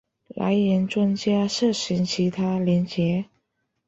来源专家社群其他连结